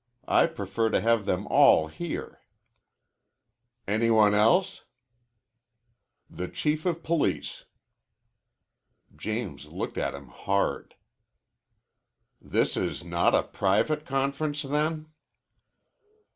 I prefer to have them all here." "Any one else?" "The Chief of Police." James looked at him hard. "This is not a private conference, then?"